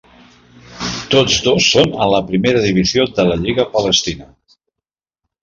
Tots dos són a la primera divisió de la lliga palestina.